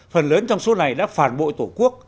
phần lớn trong số này đã phản bội tổ quốc